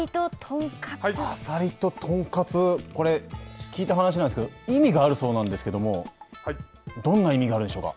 これ、聞いた話なんですけど意味があるそうなんですけどもどんな意味があるんでしょうか。